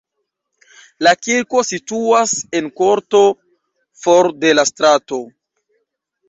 La kirko situas en korto for de la strato.